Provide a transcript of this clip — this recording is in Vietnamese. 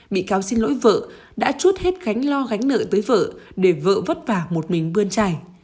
bị cáo xin lỗi vợ đã chút hết gánh lo gánh nợ tới vợ để vợ vất vả một mình bươn chảy